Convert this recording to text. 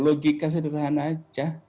logika sederhana saja